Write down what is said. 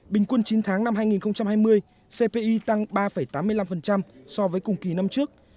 bình quân chín tháng năm hai nghìn hai mươi cpi tăng ba tám mươi năm so với cùng kỳ năm trước